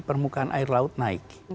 permukaan air laut naik